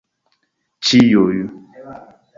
ĉiuj